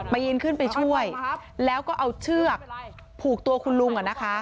ปีนขึ้นไปช่วยแล้วก็เอาเชือกผูกตัวคุณลุง